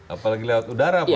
apalagi lewat udara pak